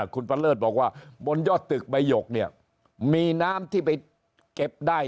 คุณประเลิศบอกว่าบนยอดตึกใบหยกเนี่ยมีน้ำที่ไปเก็บได้